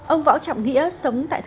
ông võ trọng nghĩa sống tại tp hcm